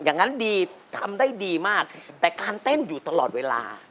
อย่างนั้นดีทำได้ดีมากแต่การเต้นอยู่ตลอดเวลา